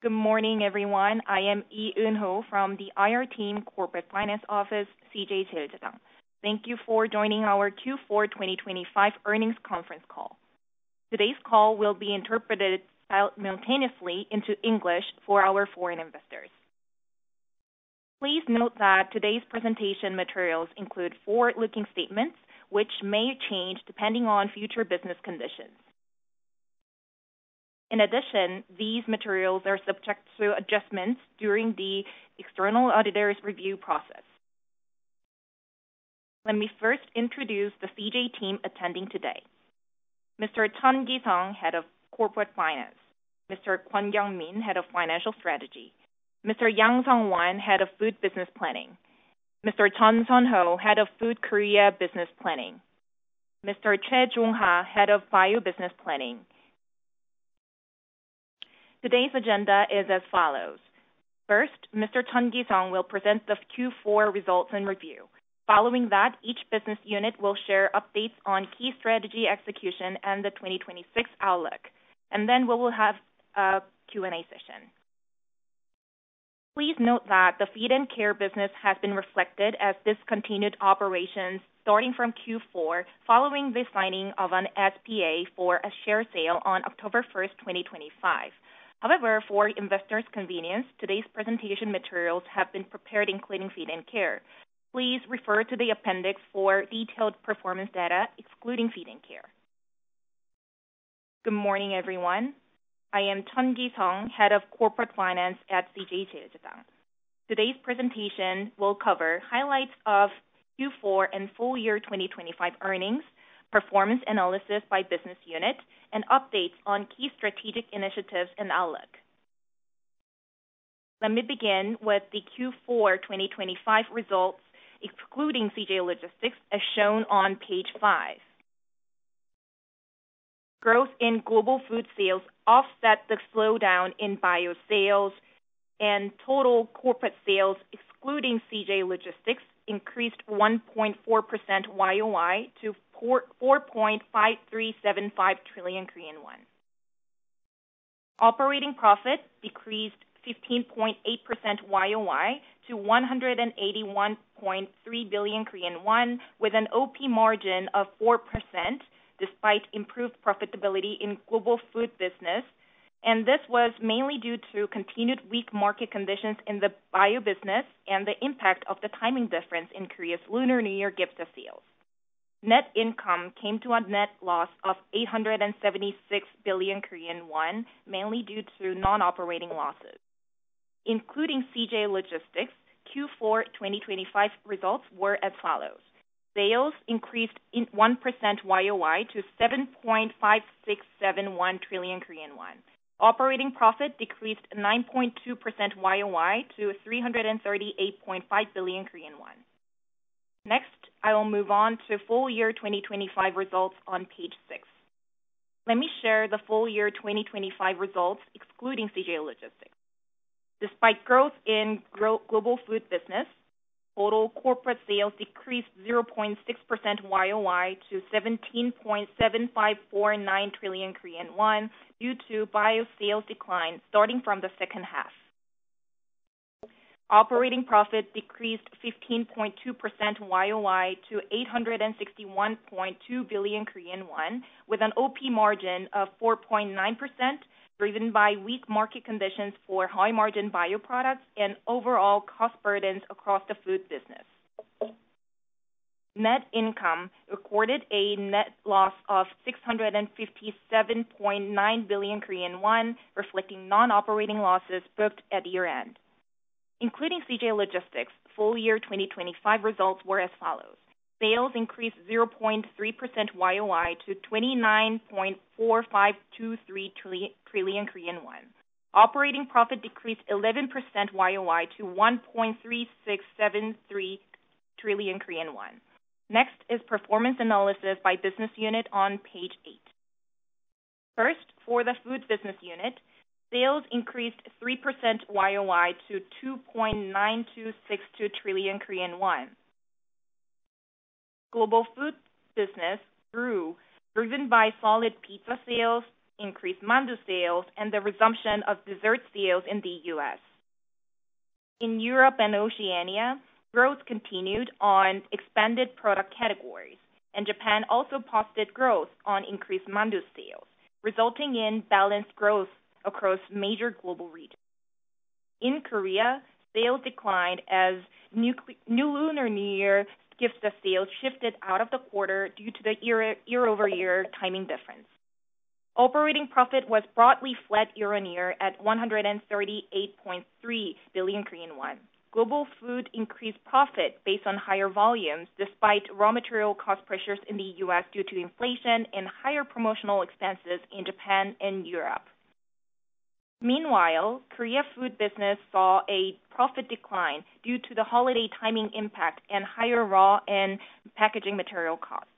Good morning, everyone. I am Lee, Eunho from the IR team corporate finance office, CJ CheilJedang. Thank you for joining our Q4 2025 Earnings Conference Call. Today's call will be interpreted simultaneously into English for our foreign investors. Please note that today's presentation materials include forward-looking statements which may change depending on future business conditions. In addition, these materials are subject to adjustments during the external auditor's review process. Let me first introduce the CJ team attending today. Mr. Chun Gi-Sung, Head of Corporate Finance. Mr. Kwon Kyung Min, Head of Financial Strategy. Mr. Yang Sung Wan, Head of Food Business Planning. Mr. Chun Sun Ho, Head of Food Korea Business Planning. Mr. Choi Jun-Ho, Head of Bio Business Planning. Today's agenda is as follows. First, Mr. Chun Gi-Sung will present the Q4 results and review. Each business unit will share updates on key strategy execution and the 2026 outlook, and then we will have a Q&A session. Please note that the Feed & Care business has been reflected as discontinued operations starting from Q4, following the signing of an SPA for a share sale on October 1st, 2025. For investors' convenience, today's presentation materials have been prepared including Feed & Care. Please refer to the appendix for detailed performance data, excluding Feed & Care. Good morning, everyone. I am Chun Gi-Sung, Head of Corporate Finance at CJ CheilJedang. Today's presentation will cover highlights of Q4 and full year 2025 earnings, performance analysis by business unit, and updates on key strategic initiatives and outlook. Let me begin with the Q4 2025 results, excluding CJ Logistics, as shown on page five. Growth in Global Food sales offset the slowdown in Bio sales and total corporate sales, excluding CJ Logistics, increased 1.4% YoY to KRW 4.5375 trillion. Operating profit decreased 15.8% YoY to 181.3 billion Korean won with an OP margin of 4% despite improved profitability in Global Food business, and this was mainly due to continued weak market conditions in the Bio business and the impact of the timing difference in Korea's Lunar New Year gift set sales. Net income came to a net loss of 876 billion Korean won, mainly due to non-operating losses. Including CJ Logistics, Q4 2025 results were as follows. Sales increased in 1% YoY to 7.5671 trillion Korean won. Operating profit decreased 9.2% YoY to 338.5 billion Korean won. Next, I will move on to full year 2025 results on page six. Let me share the full year 2025 results, excluding CJ Logistics. Despite growth in Global Food business, total corporate sales decreased 0.6% YoY to 17.7549 trillion Korean won due to Bio sales decline starting from the second half. Operating profit decreased 15.2% YoY to 861.2 billion Korean won with an OP margin of 4.9%, driven by weak market conditions for high margin Bio products and overall cost burdens across the Food business. Net income recorded a net loss of 657.9 billion Korean won, reflecting non-operating losses booked at year-end. Including CJ Logistics, full year 2025 results were as follows. Sales increased 0.3% YoY to KRW 29.4523 trillion. Operating profit decreased 11% YoY to 1.3673 trillion Korean won. Next is performance analysis by business unit on page eight. First, for the Food business unit, sales increased 3% YoY to 2.9262 trillion Korean won. Global Food business grew, driven by solid pizza sales, increased mandu sales, and the resumption of dessert sales in the U.S. In Europe and Oceania, growth continued on expanded product categories, and Japan also posted growth on increased mandu sales, resulting in balanced growth across major global regions. In Korea, sales declined as new Lunar New Year gift set sales shifted out of the quarter due to the year-over-year timing difference. Operating profit was broadly flat year-on-year at 138.3 billion Korean won. Global Food increased profit based on higher volumes, despite raw material cost pressures in the U.S. due to inflation and higher promotional expenses in Japan and Europe. Meanwhile, Korea Food business saw a profit decline due to the holiday timing impact and higher raw and packaging material costs.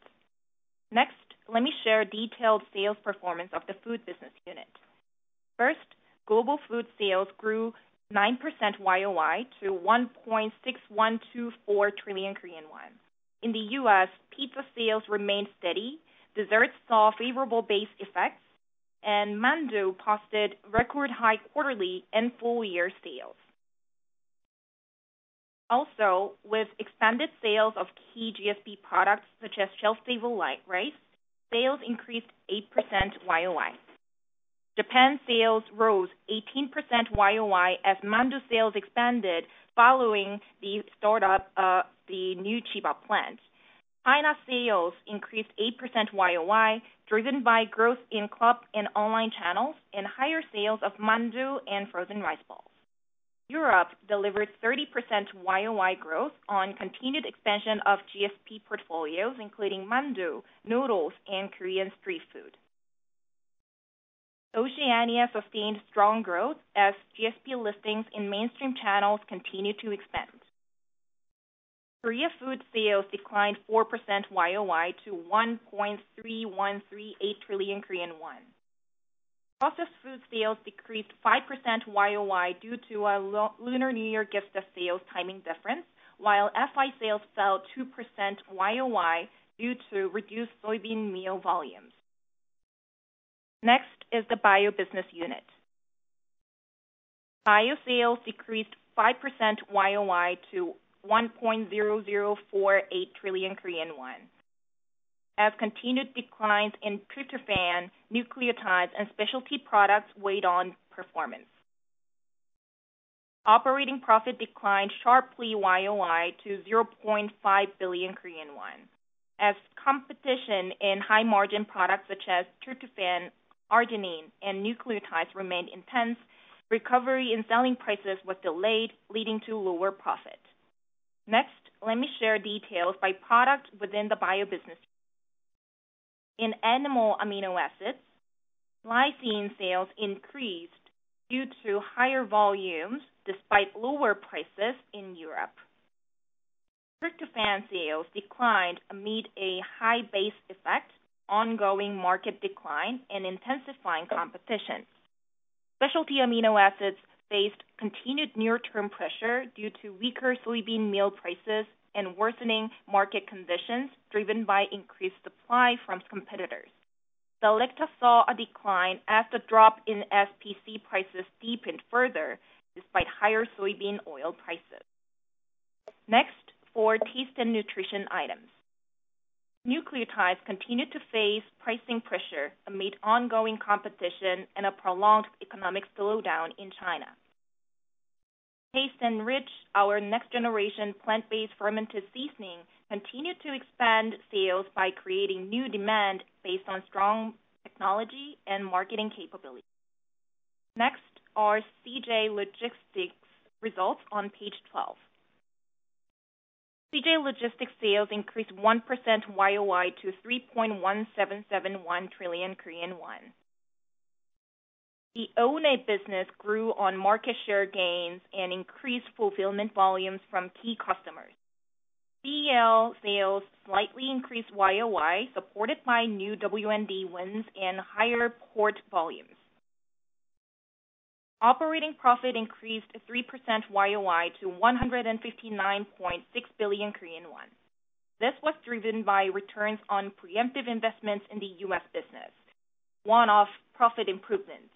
Next, let me share detailed sales performance of the Food business unit. First, Global Food sales grew 9% YoY to 1.6124 trillion Korean won. In the U.S., pizza sales remained steady, desserts saw favorable base effects, and mandu posted record high quarterly and full year sales. Also, with expanded sales of key GSP products such as shelf-stable rice, sales increased 8% YoY. Japan sales rose 18% YoY as mandu sales expanded following the startup of the new Chiba plant. China sales increased 8% YoY, driven by growth in club and online channels and higher sales of mandu and frozen rice balls. Europe delivered 30% YoY growth on continued expansion of GSP portfolios, including mandu, noodles, and Korean street food. Oceania sustained strong growth as GSP listings in mainstream channels continued to expand. Korea Food sales declined 4% YoY to 1.3138 trillion Korean won. Processed food sales decreased 5% YoY due to a Lunar New Year gift sales timing difference, while FI sales fell 2% YoY due to reduced soybean meal volumes. Next is the Bio business unit. Bio sales decreased 5% YoY to 1.0048 trillion Korean won, as continued declines in tryptophan, nucleotides, and specialty products weighed on performance. Operating profit declined sharply YoY to 0.5 billion Korean won. As competition in high-margin products such as tryptophan, arginine, and nucleotides remained intense, recovery in selling prices was delayed, leading to lower profit. Let me share details by product within the Bio business. In animal amino acids, Lysine sales increased due to higher volumes despite lower prices in Europe. Tryptophan sales declined amid a high base effect, ongoing market decline, and intensifying competition. Specialty amino acids faced continued near-term pressure due to weaker soybean meal prices and worsening market conditions driven by increased supply from competitors. Selecta saw a decline as the drop in SPC prices deepened further despite higher soybean oil prices. For Taste & Nutrition items. Nucleotides continued to face pricing pressure amid ongoing competition and a prolonged economic slowdown in China. TasteNrich, our next-generation plant-based fermented seasoning, continued to expand sales by creating new demand based on strong technology and marketing capabilities. Next are CJ Logistics results on page 12. CJ Logistics sales increased 1% YoY to 3.1771 trillion Korean won. The O&A business grew on market share gains and increased fulfillment volumes from key customers. CL sales slightly increased YoY, supported by new W&D wins and higher port volumes. Operating profit increased 3% YoY to 159.6 billion Korean won. This was driven by returns on preemptive investments in the U.S. business, one-off profit improvements,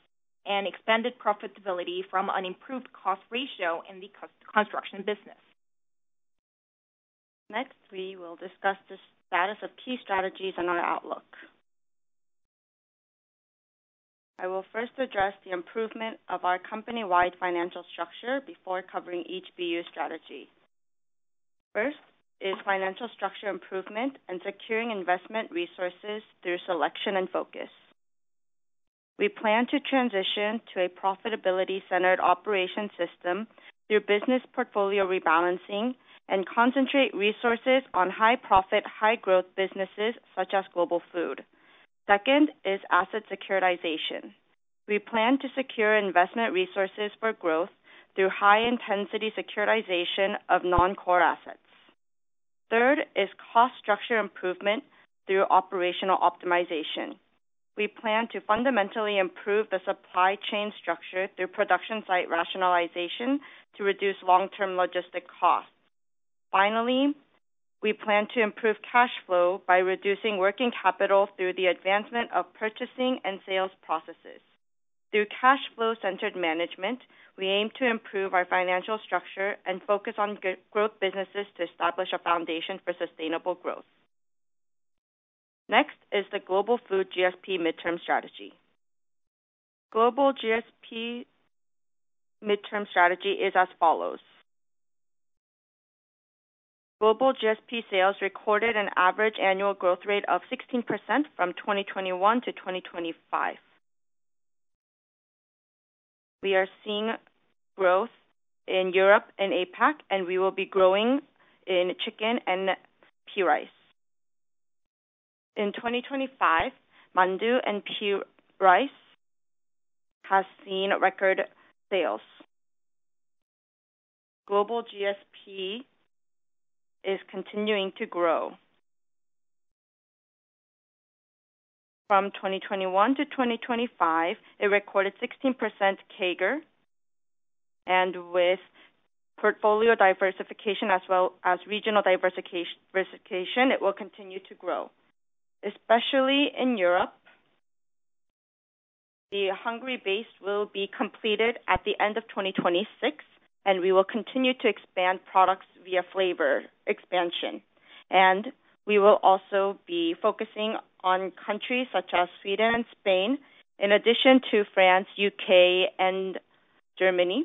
and expanded profitability from an improved cost ratio in the construction business. We will discuss the status of key strategies and our outlook. I will first address the improvement of our company-wide financial structure before covering each BU strategy. Financial structure improvement and securing investment resources through selection and focus. We plan to transition to a profitability-centered operation system through business portfolio rebalancing and concentrate resources on high profit, high growth businesses such as Global Food. Second is asset securitization. We plan to secure investment resources for growth through high-intensity securitization of non-core assets. Third is cost structure improvement through operational optimization. We plan to fundamentally improve the supply chain structure through production site rationalization to reduce long-term logistics costs. Finally, we plan to improve cash flow by reducing working capital through the advancement of purchasing and sales processes. Through cash flow-centered management, we aim to improve our financial structure and focus on growth businesses to establish a foundation for sustainable growth. Next is the Global Food GSP midterm strategy. Global GSP midterm strategy is as follows: Global GSP sales recorded an average annual growth rate of 16% from 2021 to 2025. We are seeing growth in Europe and APAC, and we will be growing in chicken and bibigo rice. In 2025, mandu and bibigo rice has seen record sales. Global GSP is continuing to grow. From 2021 to 2025, it recorded 16% CAGR. With portfolio diversification as well as regional diversification, it will continue to grow. Especially in Europe, the Hungary base will be completed at the end of 2026. We will continue to expand products via flavor expansion. We will also be focusing on countries such as Sweden and Spain, in addition to France, U.K., and Germany,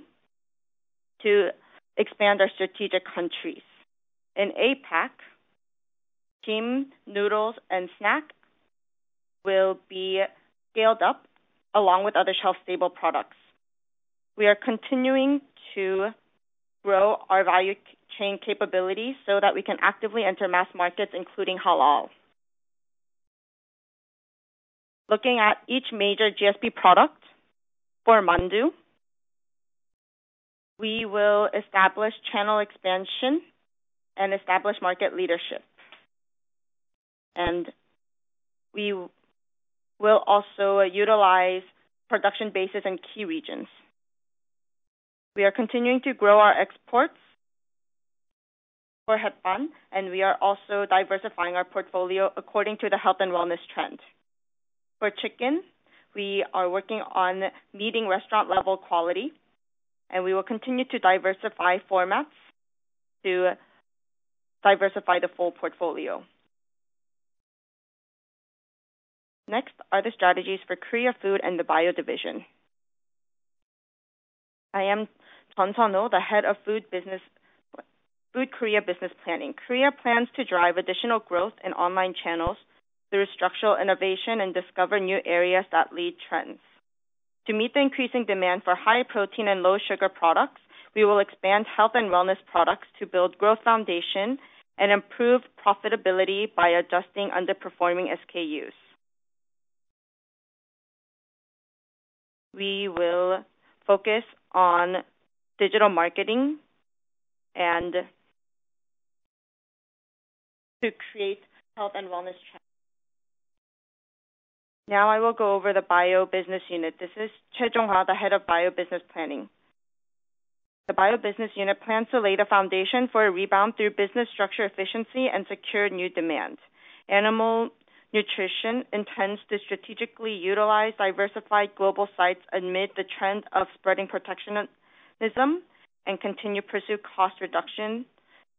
to expand our strategic countries. In APAC, K-food, noodles, and snack will be scaled up along with other shelf-stable products. We are continuing to grow our value chain capabilities so that we can actively enter mass markets, including halal. Looking at each major GSP product, for mandu, we will establish channel expansion and establish market leadership. We will also utilize production bases in key regions. We are continuing to grow our exports for Hetbahn, and we are also diversifying our portfolio according to the health and wellness trend. For chicken, we are working on meeting restaurant-level quality, and we will continue to diversify formats to diversify the full portfolio. Next are the strategies for Food Korea and the Bio division. I am Chun Sun Ho, the Head of Food Korea Business Planning. Korea plans to drive additional growth in online channels through structural innovation and discover new areas that lead trends. To meet the increasing demand for high protein and low sugar products, we will expand health and wellness products to build growth foundation and improve profitability by adjusting underperforming SKUs. We will focus on digital marketing and to create health and wellness trends. Now I will go over the Bio business unit. This is Choi Jun-Ho, the Head of Bio Business Planning. The Bio business unit plans to lay the foundation for a rebound through business structure efficiency and secure new demands. Animal nutrition intends to strategically utilize diversified global sites amid the trend of spreading protectionism and continue to pursue cost reduction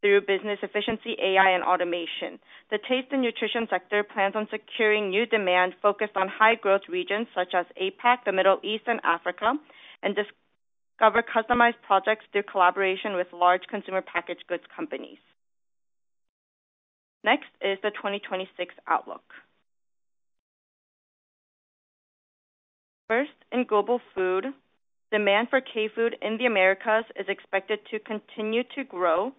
through business efficiency, AI, and automation. The Taste & Nutrition sector plans on securing new demand focused on high-growth regions such as APAC, the Middle East, and Africa, and discover customized projects through collaboration with large consumer packaged goods companies. Next is the 2026 outlook. First, in Global Food, demand for K-food in the Americas is expected to continue to grow,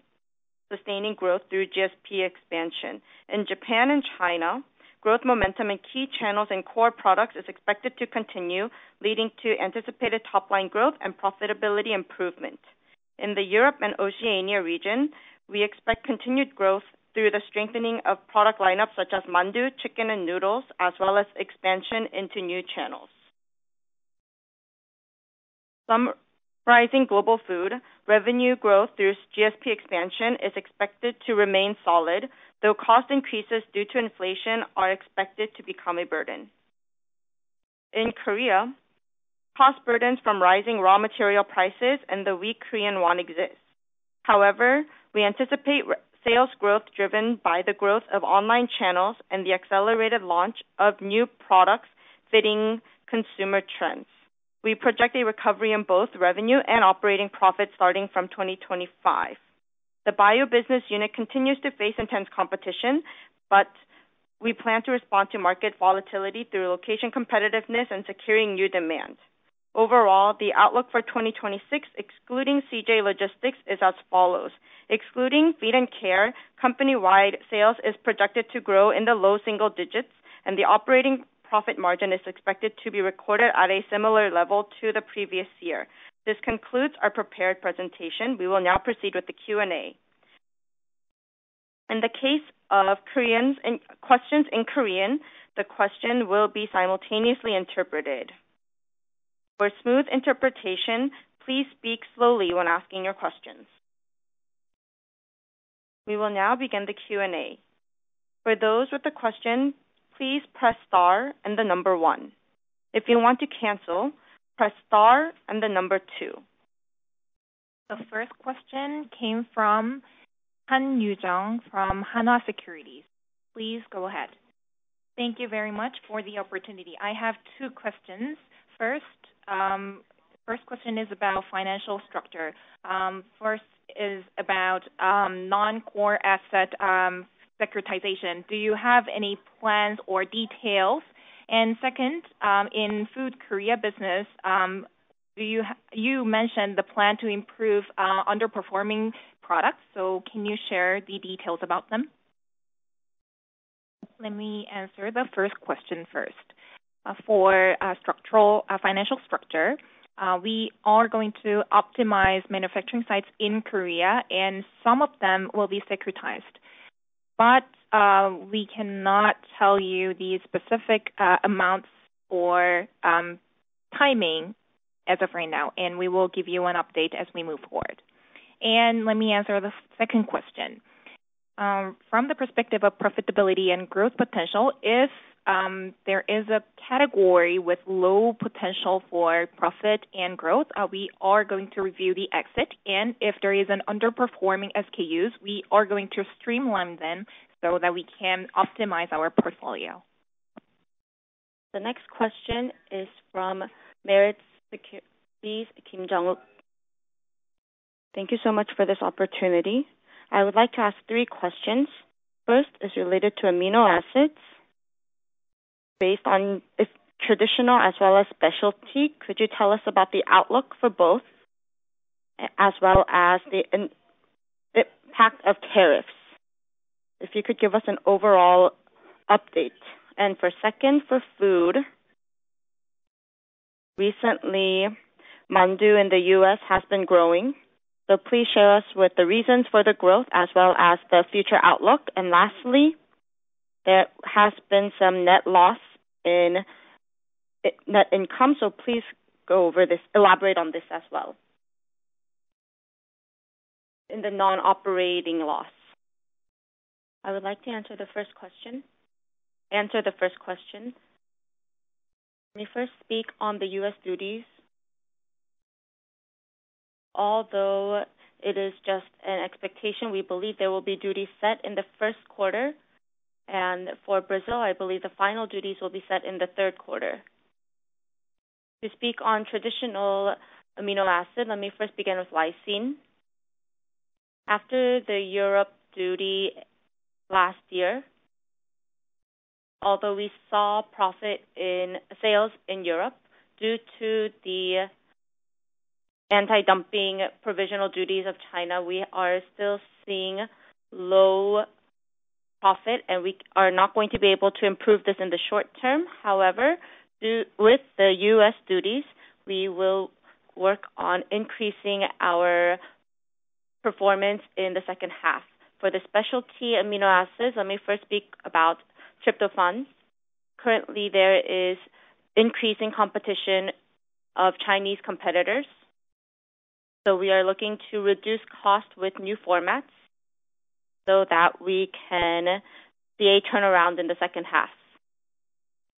sustaining growth through GSP expansion. In Japan and China, growth momentum in key channels and core products is expected to continue, leading to anticipated top-line growth and profitability improvement. In the Europe and Oceania region, we expect continued growth through the strengthening of product lineups such as mandu, chicken, and noodles, as well as expansion into new channels. Summarizing Global Food, revenue growth through GSP expansion is expected to remain solid, though cost increases due to inflation are expected to become a burden. In Korea, cost burdens from rising raw material prices and the weak Korean won exist. However, we anticipate sales growth driven by the growth of online channels and the accelerated launch of new products fitting consumer trends. We project a recovery in both revenue and operating profit starting from 2025. The Bio business unit continues to face intense competition, but we plan to respond to market volatility through location competitiveness and securing new demands. Overall, the outlook for 2026, excluding CJ Logistics, is as follows: excluding Feed & Care, company-wide sales is projected to grow in the low single digits, and the operating profit margin is expected to be recorded at a similar level to the previous year. This concludes our prepared presentation. We will now proceed with the Q&A. In the case of questions in Korean, the question will be simultaneously interpreted. For smooth interpretation, please speak slowly when asking your questions. We will now begin the Q&A. With those with a question, please press star and then number one. If you want to cancel, press star and then number two. The first question came from Han Yoo-Jung from Hana Securities. Please go ahead. Thank you very much for the opportunity. I have two questions. First question is about financial structure. First is about non-core asset securitization. Do you have any plans or details? Second, in Food Korea business, you mentioned the plan to improve underperforming products, so can you share the details about them? Let me answer the first question first. For structural financial structure, we are going to optimize manufacturing sites in Korea, and some of them will be securitized. We cannot tell you the specific amounts or timing as of right now. We will give you an update as we move forward. Let me answer the second question. From the perspective of profitability and growth potential, if there is a category with low potential for profit and growth, we are going to review the exit. If there is an underperforming SKUs, we are going to streamline them so that we can optimize our portfolio. The next question is from Meritz Securities Kim Jung-wook. Thank you so much for this opportunity. I would like to ask three questions. First is related to amino acids. Based on its traditional as well as specialty, could you tell us about the outlook for both as well as the impact of tariffs? If you could give us an overall update. For second, for Food, recently mandu in the U.S. has been growing, so please share us with the reasons for the growth as well as the future outlook. Lastly, there has been some net loss in net income, so please go over this elaborate on this as well. In the non-operating loss. I would like to answer the first question. Answer the first question. Let me first speak on the U.S. duties. Although it is just an expectation, we believe there will be duties set in the first quarter. For Brazil, I believe the final duties will be set in the third quarter. To speak on traditional amino acid, let me first begin with lysine. After the Europe duty last year, although we saw profit in sales in Europe, due to the anti-dumping provisional duties of China, we are still seeing low profit. We are not going to be able to improve this in the short term. However, with the U.S. duties, we will work on increasing our performance in the second half. For the specialty amino acids, let me first speak about tryptophan. Currently, there is increasing competition of Chinese competitors, so we are looking to reduce cost with new formats so that we can see a turnaround in the second half.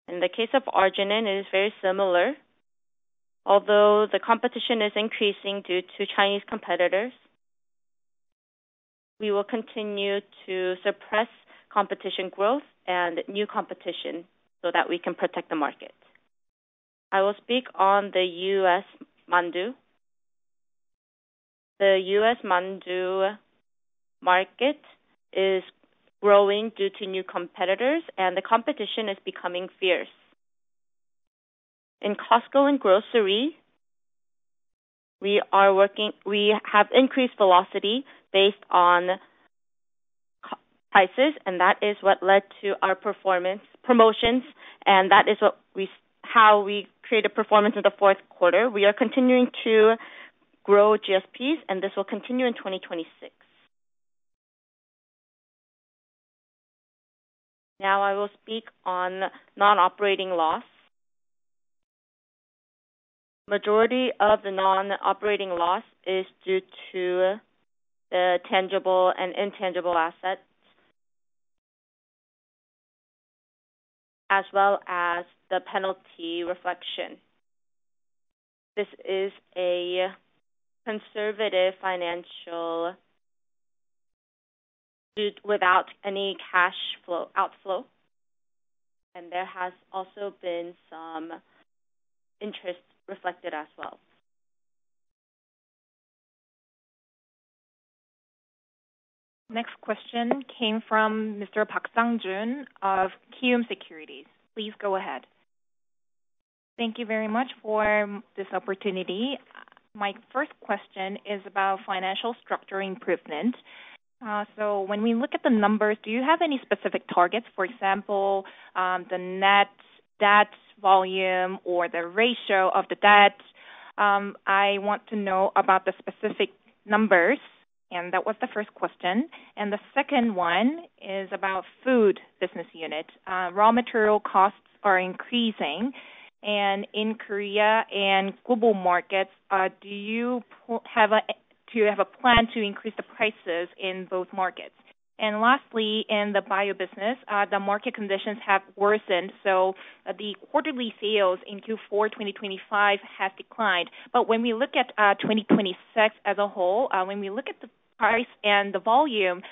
In the case of arginine, it is very similar. Although the competition is increasing due to Chinese competitors, we will continue to suppress competition growth and new competition so that we can protect the market. I will speak on the U.S. mandu. The U.S. mandu market is growing due to new competitors, and the competition is becoming fierce. In Costco and grocery, we have increased velocity based on co-prices, and that is what led to our performance promotions, and that is how we created performance in the fourth quarter. We are continuing to grow GSPs, and this will continue in 2026. Now I will speak on non-operating loss. Majority of the non-operating loss is due to the tangible and intangible assets as well as the penalty reflection. This is a conservative financial without any cash flow outflow. There has also been some interest reflected as well. Next question came from Mr. Park Sangjun of Kiwoom Securities. Please go ahead. Thank you very much for this opportunity. My first question is about financial structure improvement. When we look at the numbers, do you have any specific targets? For example, the net debt volume or the ratio of the debt. I want to know about the specific numbers, that was the first question. The second one is about Food business unit. Raw material costs are increasing, and in Korea and global markets, do you have a plan to increase the prices in both markets? Lastly, in the Bio business, the market conditions have worsened, so the quarterly sales in Q4 2025 have declined. When we look at 2026 as a whole, when we look at the price and the volume,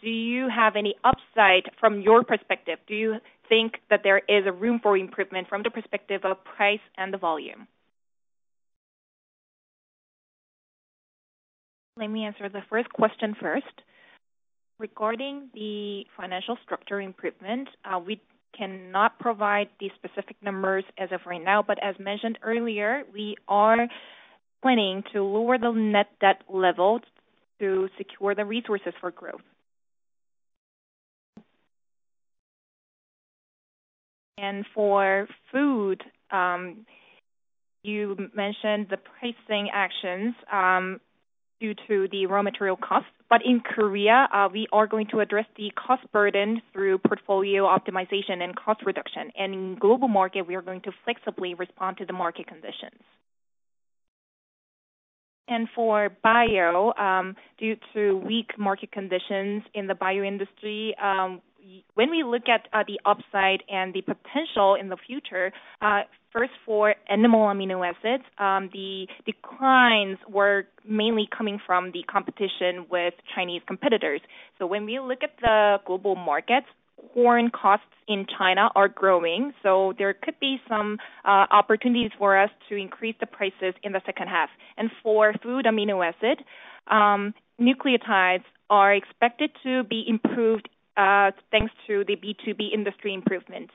do you have any upside from your perspective? Do you think that there is a room for improvement from the perspective of price and the volume? Let me answer the first question first. Regarding the financial structure improvement, we cannot provide the specific numbers as of right now, but as mentioned earlier, we are planning to lower the net debt level to secure the resources for growth. For Food, you mentioned the pricing actions, due to the raw material costs. In Korea, we are going to address the cost burden through portfolio optimization and cost reduction. In global market, we are going to flexibly respond to the market conditions. For Bio, due to weak market conditions in the Bio industry, when we look at the upside and the potential in the future, first for animal amino acids, the declines were mainly coming from the competition with Chinese competitors. When we look at the global markets, corn costs in China are growing, so there could be some opportunities for us to increase the prices in the second half. For Food amino acid, nucleotides are expected to be improved, thanks to the B2B industry improvement.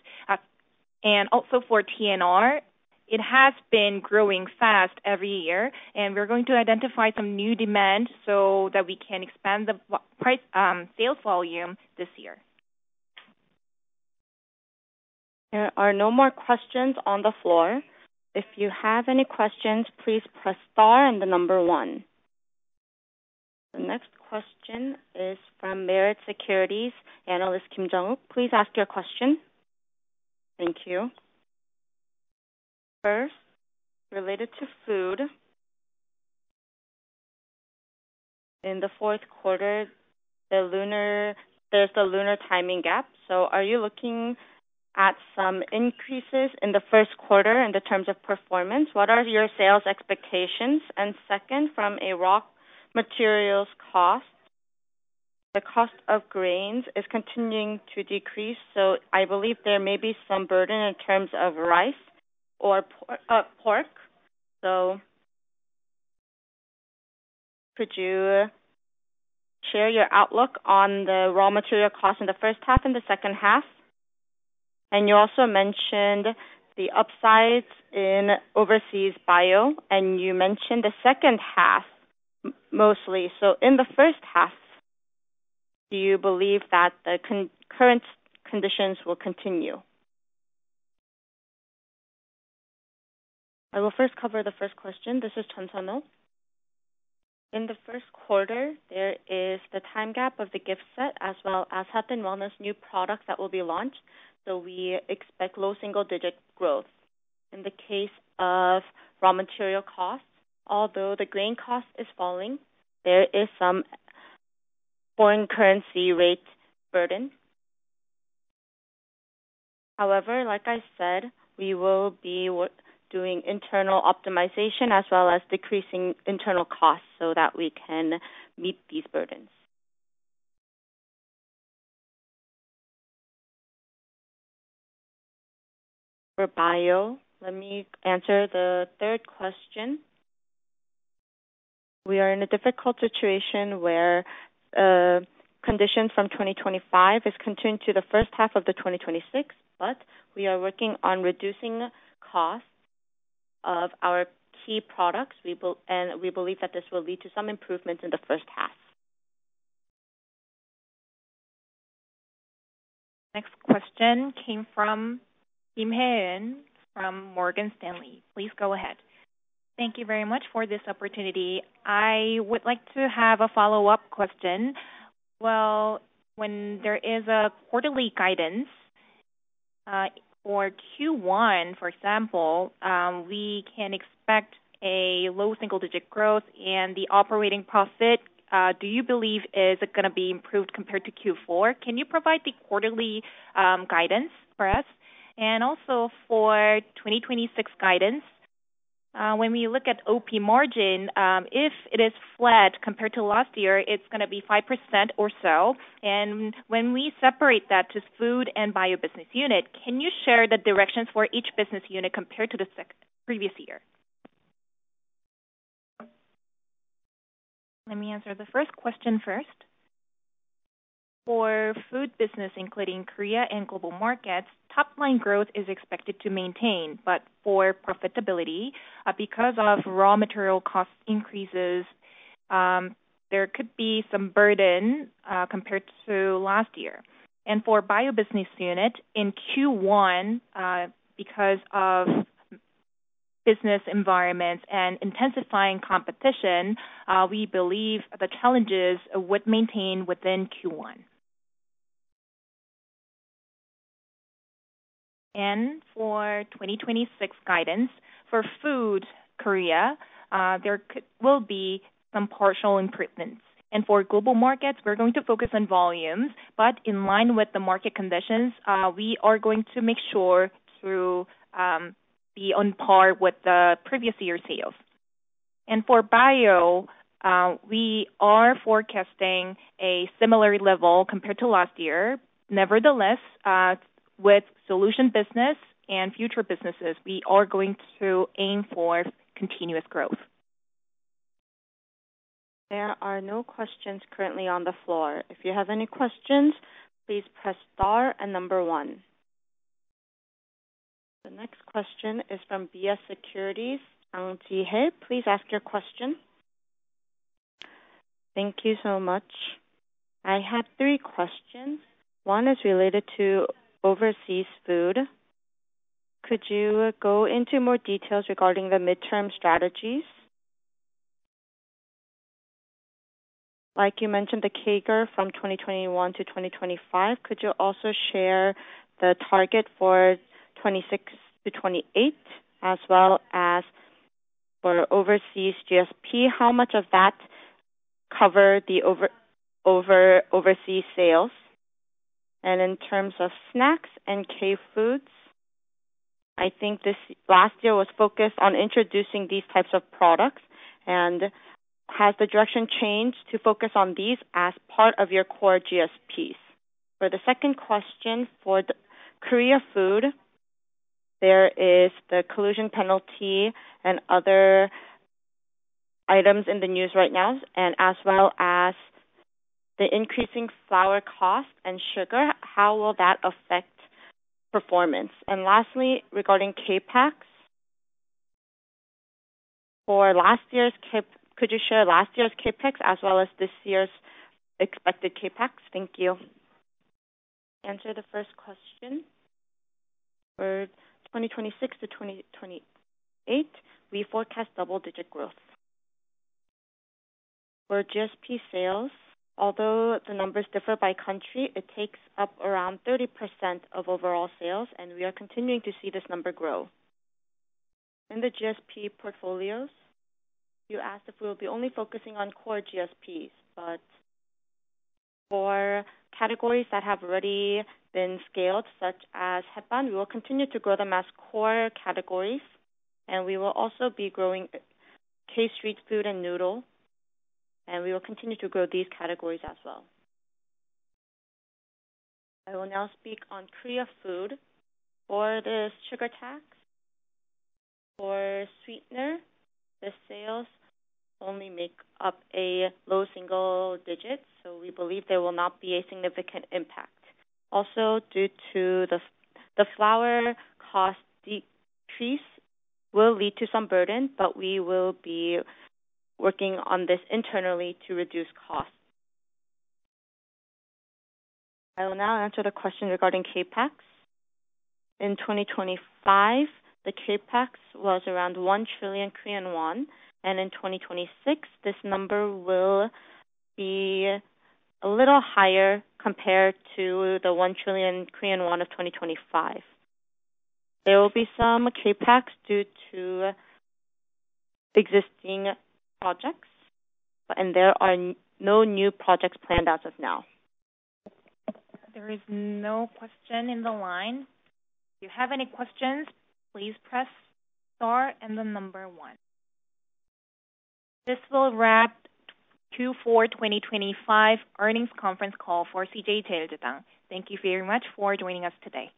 Also for TasteNrich, it has been growing fast every year, and we're going to identify some new demand so that we can expand the price, sales volume this year. There are no more questions on the floor. If you have any questions, please press star and then number one. The next question is from Meritz Securities, analyst Kim Jung-wook. Please ask your question. Thank you. Related to Food, in the fourth quarter, the lunar timing gap. Are you looking at some increases in the first quarter in the terms of performance? What are your sales expectations? Second, from a raw materials cost, the cost of grains is continuing to decrease, I believe there may be some burden in terms of rice or pork. Could you share your outlook on the raw material cost in the first half and the second half? You also mentioned the upsides in overseas Bio, you mentioned the second half mostly. In the first half, do you believe that the current conditions will continue? I will first cover the first question. This is Lee Seonho. In the first quarter, there is the time gap of the gift set as well as health and wellness new products that will be launched. We expect low single-digit growth. In the case of raw material costs, although the grain cost is falling, there is some foreign currency rate burden. Like I said, we will be doing internal optimization as well as decreasing internal costs. We can meet these burdens. For Bio, let me answer the third question. We are in a difficult situation where conditions from 2025 is continuing to the first half of the 2026. We are working on reducing costs of our key products. We believe that this will lead to some improvements in the first half. Next question came from Kim Hyeeun from Morgan Stanley. Please go ahead. Thank you very much for this opportunity. I would like to have a follow-up question. When there is a quarterly guidance, or Q1, for example, we can expect a low single-digit growth. The operating profit, do you believe is it gonna be improved compared to Q4? Can you provide the quarterly guidance for us? Also for 2026 guidance, when we look at OP margin, if it is flat compared to last year, it's gonna be 5% or so. When we separate that to Food and Bio business unit, can you share the directions for each business unit compared to the previous year? Let me answer the first question first. For Food business, including Korea and global markets, top line growth is expected to maintain. For profitability, because of raw material cost increases, there could be some burden compared to last year. For Bio business unit, in Q1, because of business environment and intensifying competition, we believe the challenges would maintain within Q1. For 2026 guidance, for Food Korea, there will be some partial improvements. For global markets, we're going to focus on volumes, but in line with the market conditions, we are going to make sure to be on par with the previous year sales. For Bio, we are forecasting a similar level compared to last year. Nevertheless, with solution business and future businesses, we are going to aim for continuous growth. There are no questions currently on the floor. If you have any question, please press star and number one. The next question is from DB Securities, Jang Ji-hye. Please ask your question. Thank you so much. I have three questions. One is related to overseas Food. Could you go into more details regarding the midterm strategies? Like you mentioned the CAGR from 2021 to 2025. Could you also share the target for 2026 to 2028 as well as for overseas GSP? How much of that cover the overseas sales? In terms of snacks and K-food, I think this last year was focused on introducing these types of products. Has the direction changed to focus on these as part of your core GSPs? For the second question, for the Korea Food, there is the collusion penalty and other items in the news right now, and as well as the increasing flour cost and sugar, how will that affect performance? Lastly, regarding CapEx. Could you share last year's CapEx as well as this year's expected CapEx? Thank you. Answer the first question. For 2026-2028, we forecast double-digit growth. For GSP sales, although the numbers differ by country, it takes up around 30% of overall sales. We are continuing to see this number grow. In the GSP portfolios, you asked if we will be only focusing on core GSPs, but for categories that have already been scaled, such as we will continue to grow them as core categories, and we will also be growing K-Street Food and noodles, and we will continue to grow these categories as well. I will now speak on Korea Food. For the sugar tax, for sweetener, the sales only make up a low single digits. We believe there will not be a significant impact. Due to the flour cost decrease will lead to some burden, but we will be working on this internally to reduce costs. I will now answer the question regarding CapEx. In 2025, the CapEx was around 1 trillion Korean won, and in 2026, this number will be a little higher compared to the 1 trillion Korean won of 2025. There will be some CapEx due to existing projects. There are no new projects planned as of now. There is no question in the line. If you have any questions, please press star and then number one. This will wrap Q4 2025 Earnings Conference Call for CJ Cheiljedang. Thank you very much for joining us today.